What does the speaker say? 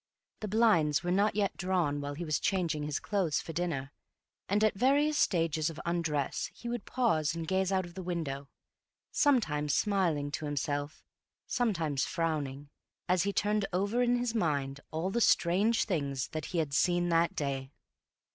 The blinds were not yet drawn while he was changing his clothes for dinner, and at various stages of undress he would pause and gaze out of the window, sometimes smiling to himself, sometimes frowning, as he turned over in his mind all the strange things that he had seen that day.